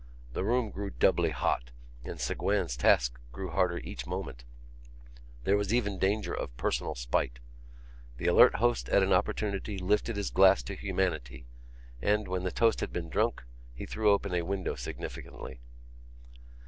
The room grew doubly hot and Ségouin's task grew harder each moment: there was even danger of personal spite. The alert host at an opportunity lifted his glass to Humanity and, when the toast had been drunk, he threw open a window significantly.